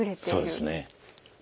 そうですね。